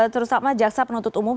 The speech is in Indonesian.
terutama jaksa penuntut umum